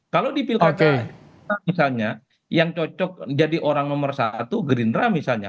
kalau di pilkada misalnya yang cocok jadi orang nomor satu gerindra misalnya